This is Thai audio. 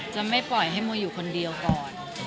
จะไม่ปล่อยให้โมอยู่คนเดียวก่อน